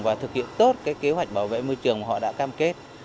và thực hiện tốt cái kế hoạch bảo vệ môi trường mà họ đã cam kết